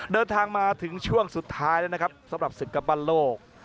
เดินทางมาถึงช่วงสุดท้ายแล้วนะครับสำหรับศึกกัปตันโลก